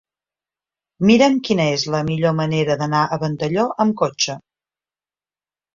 Mira'm quina és la millor manera d'anar a Ventalló amb cotxe.